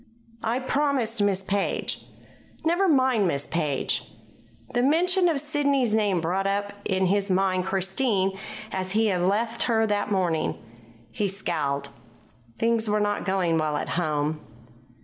"I promised Miss Page." "Never mind Miss Page." The mention of Sidney's name brought up in his mind Christine as he had left her that morning. He scowled. Things were not going well at home.